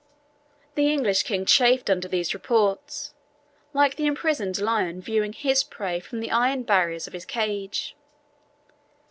The English king chafed under these reports, like the imprisoned lion viewing his prey from the iron barriers of his cage.